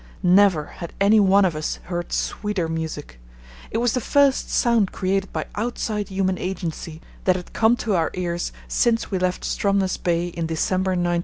Never had any one of us heard sweeter music. It was the first sound created by outside human agency that had come to our ears since we left Stromness Bay in December 1914.